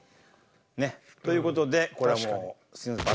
ねっ？という事でこれはもうすいません。